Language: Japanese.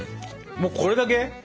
もうこれだけ？